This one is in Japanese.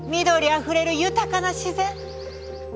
緑あふれる豊かな自然。